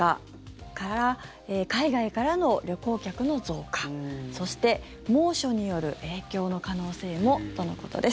それから海外からの旅行客の増加そして、猛暑による影響の可能性もとのことです。